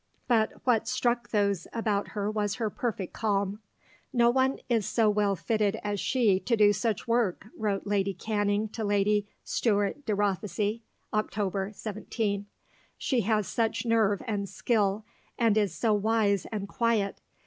But what struck those about her was her perfect calm. "No one is so well fitted as she to do such work," wrote Lady Canning to Lady Stuart de Rothesay (Oct. 17); "she has such nerve and skill, and is so wise and quiet.